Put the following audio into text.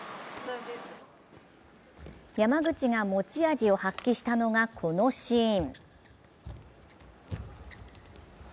山口が持ち味を発揮したのが、このシーン。